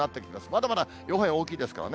まだまだ予報円が大きいですね。